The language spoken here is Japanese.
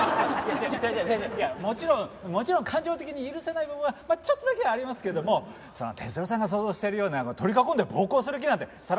違う違ういやもちろんもちろん感情的に許せない部分はちょっとだけはありますけどもそんな哲郎さんが想像してるような取り囲んで暴行する気なんてさらさらありませんよ！